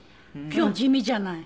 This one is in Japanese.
今日地味じゃない。